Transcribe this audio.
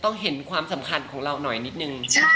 เห็นความสำคัญของเราหน่อยนิดนึง